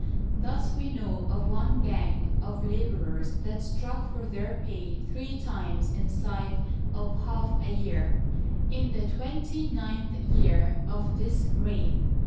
Thus we know of one gang of laborers that struck for their pay three times inside of half a year, in the twenty ninth year of this reign.